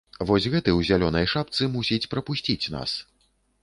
Вось гэты ў зялёнай шапцы мусіць прапусціць нас.